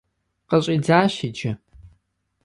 Къыщӏидзащ иджы!